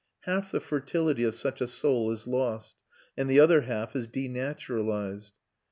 Half the fertility of such a soul is lost, and the other half is denaturalised.